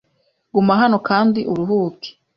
Guma hano kandi uruhuke.